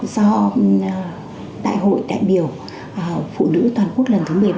do đại hội đại biểu phụ nữ toàn quốc lần thứ một mươi ba